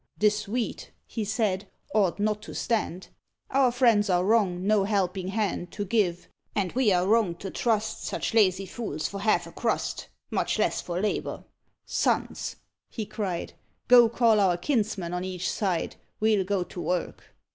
"This wheat," he said, "ought not to stand; Our friends are wrong no helping hand To give, and we are wrong to trust Such lazy fools for half a crust, Much less for labour. Sons," he cried, "Go, call our kinsmen on each side, We'll go to work."